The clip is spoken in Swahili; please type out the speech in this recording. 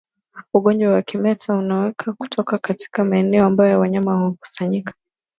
Ugonjwa wa kimeta unaweza kutokea katika maeneo ambayo wanyama hukusanyikia